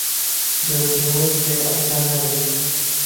دۆزینەوەی زێڕ ئاسان نەبوو.